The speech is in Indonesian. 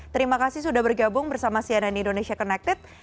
terima kasih sudah bergabung bersama sian and indonesia connected